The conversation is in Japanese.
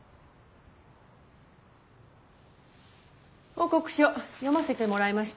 報告書読ませてもらいました。